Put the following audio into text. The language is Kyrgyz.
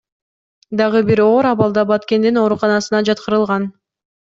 Дагы бири оор абалда Баткендин ооруканасына жаткырылган.